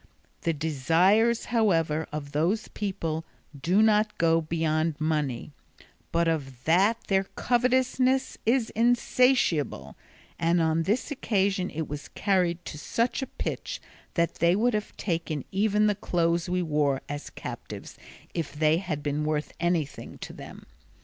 The desires, however, of those people do not go beyond money, but of that their covetousness is insatiable, and on this occasion it was carried to such a pitch that they would have taken even the clothes we wore as captives if they had been worth anything to them.